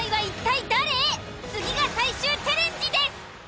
一体次が最終チャレンジです。